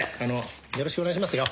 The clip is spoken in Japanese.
よろしくお願いしますよ。